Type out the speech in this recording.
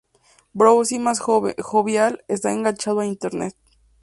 Bouzid, más jovial, está enganchado a Internet.